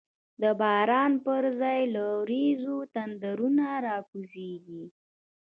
د باران پر ځای له وریځو، تندرونه راکوزیږی